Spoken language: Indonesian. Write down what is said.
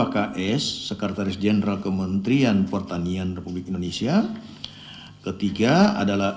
dua ks sekretaris jenderal kementerian pertanian republik indonesia